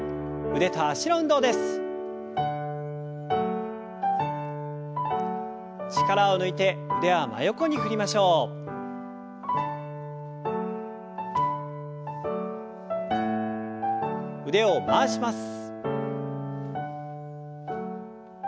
腕を回します。